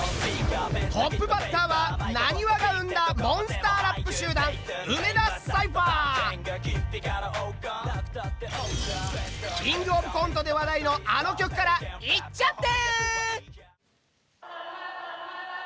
トップバッターはなにわが生んだ「キングオブコント」で話題のあの曲からいっちゃって！